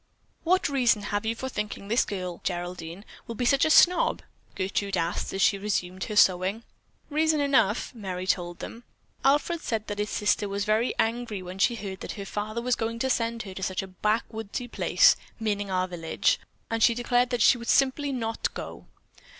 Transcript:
"What reason have you for thinking this girl, Geraldine, will be such a snob?" Gertrude asked as she resumed her sewing. "Reason enough!" Merry told them. "Alfred said that his sister was very angry when she heard that her father was going to send her to such a 'back woodsy' place, meaning our village, and she declared that she simply would not go.